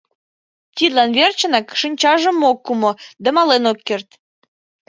Тидлан верчынак шинчажым ок кумо да мален ок керт.